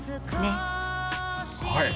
はい！